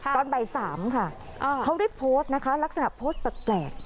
ค่ะตอนบ่ายสามค่ะอ่าเขารีบโพสต์นะคะลักษณะโพสต์แปลกแกรก